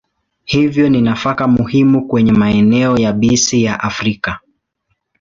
Hivyo ni nafaka muhimu kwenye maeneo yabisi ya Afrika.